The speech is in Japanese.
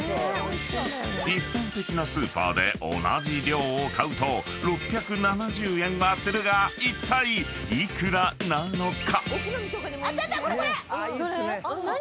［一般的なスーパーで同じ量を買うと６７０円はするがいったい幾らなのか？］